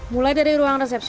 mulai dari ruang resepsi